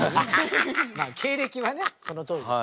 まあ経歴はねそのとおりです。